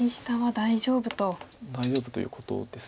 大丈夫ということです。